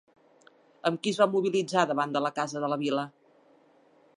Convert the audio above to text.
Amb qui es va mobilitzar davant de la casa de la vila?